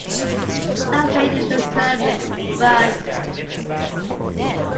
Not saying you deserve it, but...